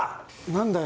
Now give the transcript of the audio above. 何だよ。